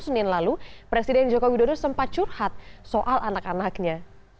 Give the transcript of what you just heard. senin lalu presiden joko widodo sempat curhat soal anak anaknya